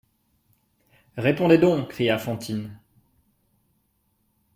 Répondez donc ! cria Fantine.